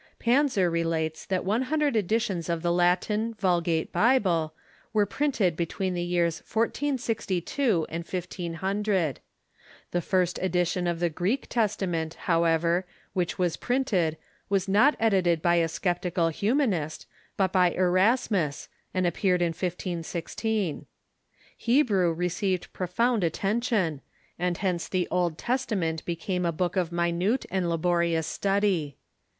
Panzer relates that one hundred editions of the Latin (Vulgate) Bible were print ed between the years 1462 and 1500. The first edition of the Greek Testament, however, which Avas printed was not edit ed by a sceptical Humanist, but by Erasmus, and appeared in 1.51G. Hebrew received profound attention, and hence the Old Testament became a book of minute and laborious study.